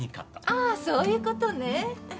ああそういう事ね。